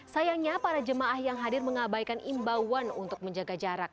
sayangnya para jemaah yang hadir mengabaikan imbauan untuk menjaga jarak